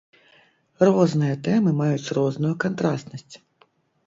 Розныя тэмы маюць розную кантрастнасць.